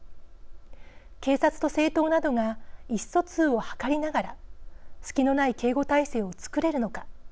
警察と政党などが意思疎通を図りながら「隙」のない警護態勢を作れるのか。